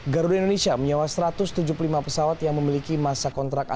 garuda indonesia menyewa satu ratus tujuh puluh lima pesawat yang memiliki masa kontrak